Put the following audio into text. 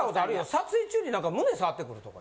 撮影中になんか胸触ってくるとか。